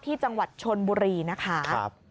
ที่จังหวัดชนบุรีนะคะ